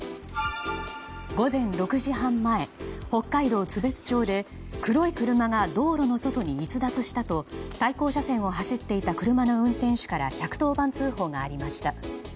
午前６時半前北海道津別町で黒い車が道路の外に逸脱したと対向車線を走っていた車の運転手から１１０番通報がありました。